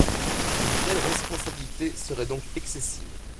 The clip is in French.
Une telle responsabilité serait donc excessive.